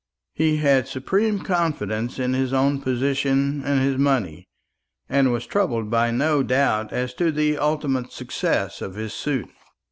He had supreme confidence in his own position and his money, and was troubled by no doubt as to the ultimate success of his suit.